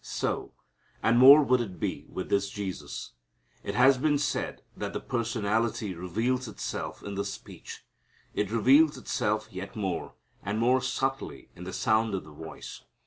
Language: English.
So, and more would it be with this Jesus. It has been said that the personality reveals itself in the speech. It reveals itself yet more, and more subtly, in the sound of the voice.